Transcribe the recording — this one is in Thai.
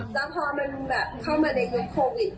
แล้วพอเข้ามาในวิทยุคโควิด